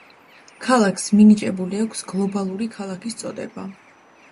ქალაქს მინიჭებული აქვს გლობალური ქალაქის წოდება.